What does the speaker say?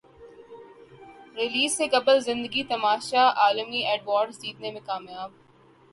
release سے قبل زندگی تماشا عالمی ایوارڈ جیتنے میں کامیاب